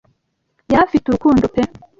Yari afite urukundo pe,